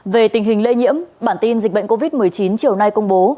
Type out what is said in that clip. về tình hình lây nhiễm bản tin dịch bệnh covid một mươi chín chiều nay công bố